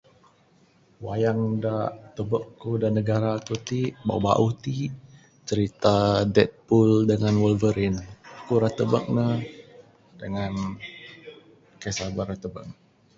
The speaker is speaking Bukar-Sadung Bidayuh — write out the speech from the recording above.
Wayang da tubek ku da negara ku ti, bauh bauh ti, cirita Deadpool dangan wolverine. Aku ra tubek ne dangan kaik sabar ra tubek ne.